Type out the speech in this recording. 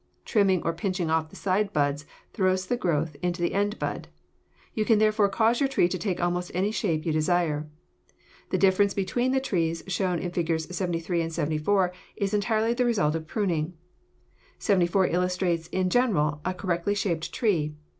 Trimming or pinching off the side buds throws the growth into the end bud. You can therefore cause your tree to take almost any shape you desire. The difference between the trees shown in Figs. 73 and 74 is entirely the result of pruning. Fig. 74 illustrates in general a correctly shaped tree.